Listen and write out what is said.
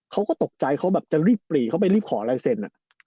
เขาก็ตกใจเขาแบบจะรีบปลีเขาไปรีบขอลายเซ็น